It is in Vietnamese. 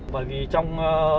bởi vì trong